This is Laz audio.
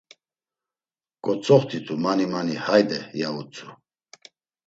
“Kotzoxt̆itu mani mani hayde!” ya utzu.